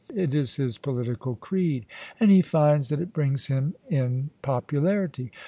It is his political creed, and he finds that it brings him in popularity.